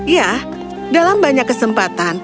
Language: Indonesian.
ya dalam banyak kesempatan